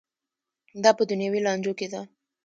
دا په دنیوي لانجو کې ده.